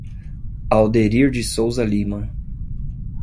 Alderir de Souza Lima